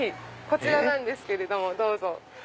こちらなんですけれどもどうぞ。